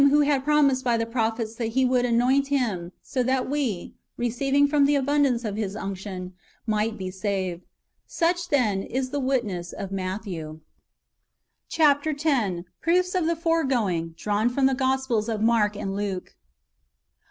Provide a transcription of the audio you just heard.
281 who had promised by the prophets that He would anoint Him, so that we, receiving from the abundance of His unction, might be saved. Such, then, [is the witness] of Matthew. Chap. x. — Proofs of the foregoing^ drawn from the Gospels of Mark and Luke.